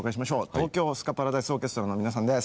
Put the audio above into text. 東京スカパラダイスオーケストラの皆さんです。